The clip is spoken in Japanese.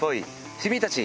君たち。